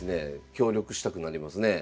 協力したくなりますねえ。